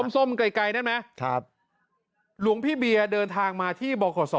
ส้มกลายใกล้นะไหมครับหลวงพี่เบียเดินทางมาที่บอกขอสอ